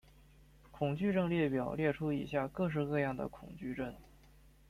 恐惧症列表列出以下各式各样的恐惧症。